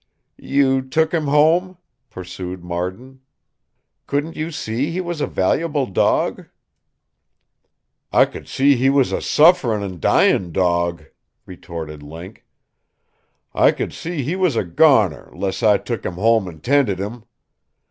"You took him home?" pursued Marden. "Couldn't you see he was a valuable dog?" "I c'd see he was a sufferin' an' dyin' dawg," retorted Link. "I c'd see he was a goner, 'less I took him home an' 'tended him.